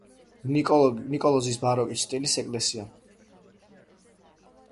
ნიკოლოზის ბაროკოს სტილის ეკლესია.